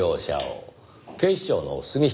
警視庁の杉下です。